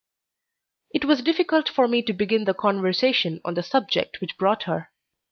It was difficult for me to begin the conversation on the subject which brought her.